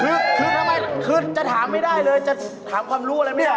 คือคือทำไมคือจะถามไม่ได้เลยจะถามความรู้อะไรไม่ออก